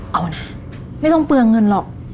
เอานะไม่ต้องเปลืองเงินหรอก